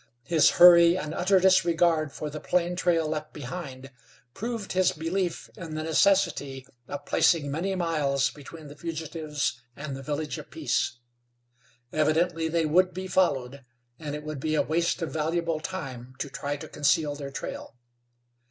His hurry and utter disregard for the plain trail left behind, proved his belief in the necessity of placing many miles between the fugitives and the Village of Peace. Evidently they would be followed, and it would be a waste of valuable time to try to conceal their trail.